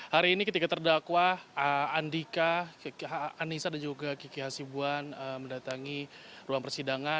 hari ini ketika terdakwa andika anissa dan juga kiki hasibuan mendatangi ruang persidangan